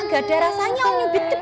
gak ada rasanya nyubit kecil